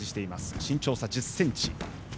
身長差１０ｃｍ。